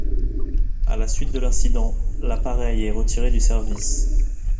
À la suite de l'incident, l'appareil est retiré du service.